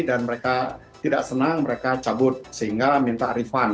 dan mereka tidak senang mereka cabut sehingga minta refund